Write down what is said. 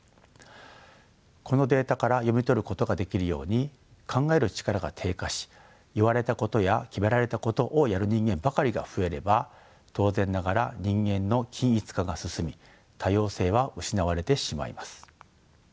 このデータから読み取ることができるように考える力が低下し言われたことや決められたことをやる人間ばかりが増えれば当然ながら人間の均一化が進み多様性は失われてしまいます。